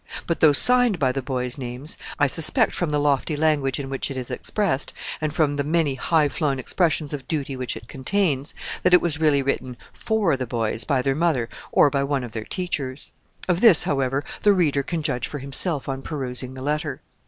But, though signed by the boys' names, I suspect, from the lofty language in which it is expressed, and from the many high flown expressions of duty which it contains, that it was really written for the boys by their mother or by one of their teachers. Of this, however, the reader can judge for himself on perusing the letter.